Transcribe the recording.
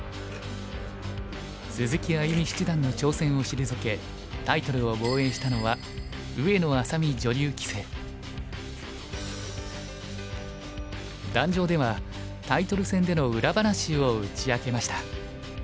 鈴木歩七段の挑戦を退けタイトルを防衛したのは壇上ではタイトル戦での裏話を打ち明けました。